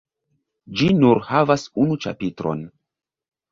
Ĝi nur havas unu ĉapitron.